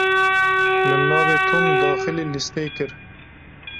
Min navê Tom daxilî lîsteyê kir.